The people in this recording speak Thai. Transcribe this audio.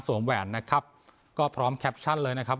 แหวนนะครับก็พร้อมแคปชั่นเลยนะครับ